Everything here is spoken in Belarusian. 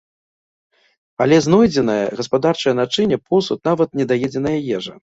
Але знойдзеная гаспадарчае начынне, посуд, нават недаедзеная ежа.